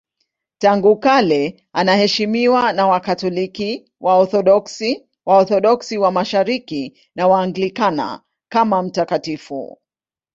Tangu kale anaheshimiwa na Wakatoliki, Waorthodoksi, Waorthodoksi wa Mashariki na Waanglikana kama mtakatifu.